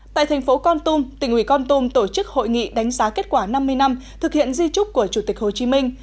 tại thành phố con tum tỉnh ủy con tum tổ chức hội nghị đánh giá kết quả năm mươi năm thực hiện di trúc của chủ tịch hồ chí minh